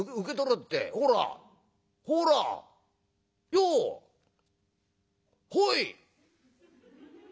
よう！ほい！」。